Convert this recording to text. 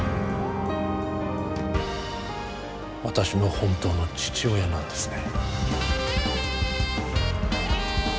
私の本当の父親なんですね